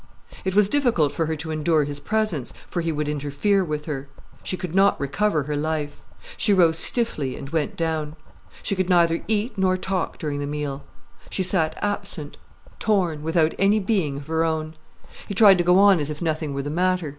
It was difficult for her to endure his presence, for he would interfere with her. She could not recover her life. She rose stiffly and went down. She could neither eat nor talk during the meal. She sat absent, torn, without any being of her own. He tried to go on as if nothing were the matter.